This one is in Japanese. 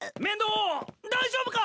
大丈夫か！？